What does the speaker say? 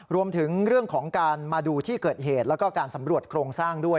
รวมถึงเรื่องของการมาดูที่เกิดเหตุแล้วก็การสำรวจโครงสร้างด้วย